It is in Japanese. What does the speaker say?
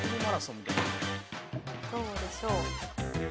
どうでしょう？